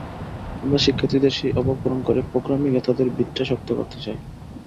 আমরা শিক্ষার্থীদের সেই অভাব পূরণ করে প্রোগ্রামিংয়ে তাঁদের ভিতটা শক্ত করতে চাই।